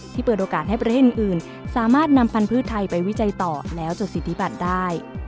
เปิดโอกาสให้ประเทศอื่นสามารถนำพันธุ์ไทยไปวิจัยต่อแล้วจดสิทธิบัติได้